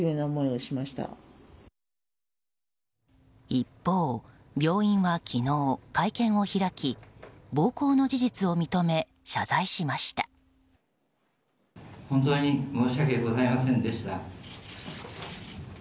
一方、病院は昨日会見を開き暴行の事実を認め謝罪しました。